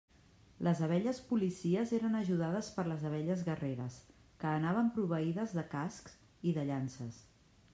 Les abelles policies eren ajudades per les abelles guerreres que anaven proveïdes de cascs i de llances.